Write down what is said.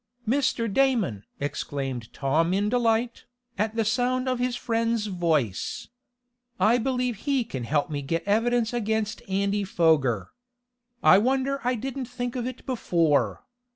"Mr. Damon!" exclaimed Tom in delight, at the sound of his friend's voice. "I believe he can help me get evidence against Andy Foger. I wonder I didn't think of it before!